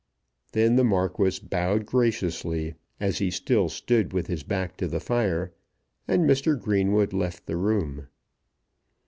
Then the Marquis bowed graciously as he still stood with his back to the fire, and Mr. Greenwood left the room.